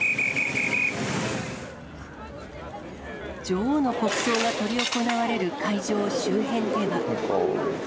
女王の国葬が執り行われる会場周辺では。